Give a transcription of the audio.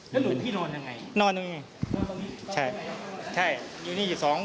ครับ